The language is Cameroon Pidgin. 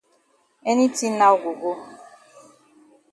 Any tin now go go.